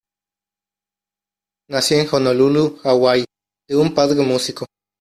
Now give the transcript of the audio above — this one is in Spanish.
Nació en Honolulu, Hawái, de un padre músico.